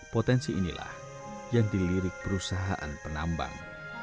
potensi inilah yang dilirik perusahaan penambang